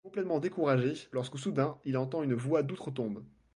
Il est complètement découragé, lorsque soudain, il entend une voix d’outre-tombe.